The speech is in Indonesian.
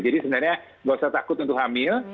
jadi sebenarnya nggak usah takut untuk hamil